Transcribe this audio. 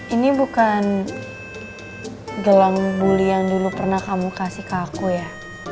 ini bukan gelang bully yang dulu pernah kamu kasih ke aku ya